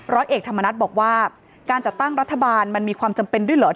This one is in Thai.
ร้อยเอกธรรมนัฏบอกว่าการจัดตั้งรัฐบาลมันมีความจำเป็นด้วยเหรอ